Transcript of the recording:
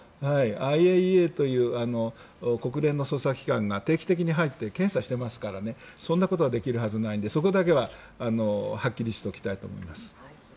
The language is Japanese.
ＩＡＥＡという国連の捜査機関が定期的に入って検査をしていますからそんなことはできるはずないのでそこだけははっきりしておきたいと思います。